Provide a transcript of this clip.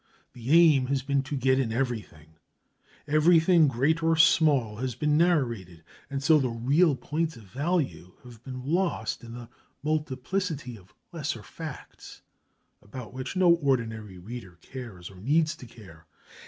The aim has been to get in everything. Everything great or small has been narrated, and so the real points of value have been lost in the multiplicity of lesser facts, about which no ordinary reader cares or needs to care.